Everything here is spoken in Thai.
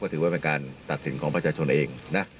ถือว่าเป็นการตัดสินของประชาชนเองนะ